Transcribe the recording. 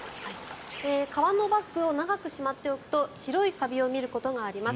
皮のバッグを長くしまっておくと白いカビを見ることがあります。